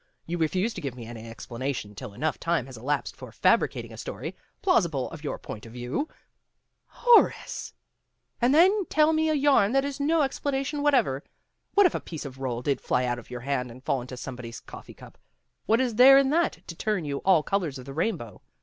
You refuse to give me any explanation till enough time has elapsed for fabricating a story, plausible from your point of view " "Horace !" ''And you then tell me a yarn that is no ex planation whatever. What if a piece of roll did fly out of your hand and fall into some body's coffee cup! What is there in that to turn you all colors of the rainbow?